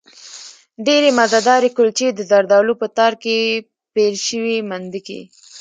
ډېرې مزهدارې کلچې، د زردالو په تار کې پېل شوې مندکې